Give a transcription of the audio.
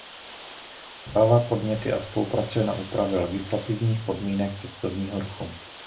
Podává podněty a spolupracuje na úpravě legislativních podmínek cestovního ruchu.